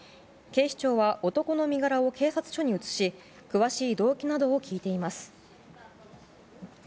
警視庁は男の身柄を警察署に移し詳しい動機などを聞いています。